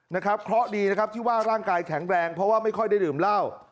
นะครับเคราะห์ดีนะครับที่ว่าร่างกายแข็งแรงเพราะว่าไม่ค่อยได้ดื่มเหล้า